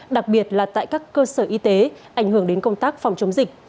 đặc biệt là tại các cơ sở y tế ảnh hưởng đến công tác phòng chống dịch